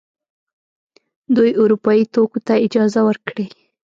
دوی اروپايي توکو ته اجازه ورکړي.